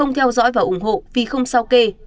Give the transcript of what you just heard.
theo dõi và ủng hộ vì không sao kê